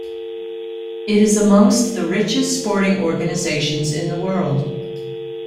It is amongst the richest sporting organisations in the world.